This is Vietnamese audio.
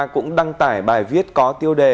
cũng đăng tải bài viết có tiêu đề